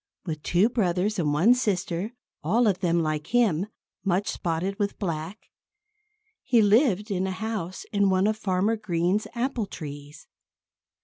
With two brothers and one sister all of them, like him, much spotted with black he lived in a house in one of Farmer Green's apple trees.